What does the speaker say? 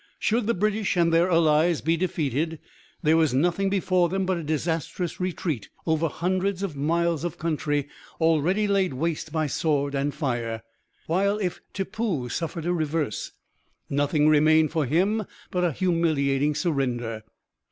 Should the British and their allies be defeated there was nothing before them but a disastrous retreat over hundreds of miles of country already laid waste by sword and fire; while if Tippoo suffered a reverse nothing remained for him but a humiliating surrender.